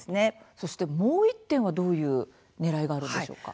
そして、もう１点はどういうねらいがあるんでしょうか？